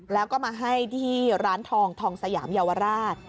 แล้วก็มาให้ที่ร้านทองทองสยามเยาวราช